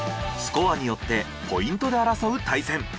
スコアによってポイントで争う対戦。